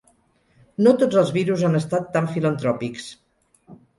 No tots els virus han estat tan filantròpics.